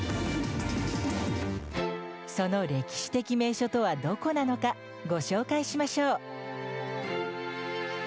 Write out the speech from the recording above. その歴史的名所とはどこなのかご紹介しましょう。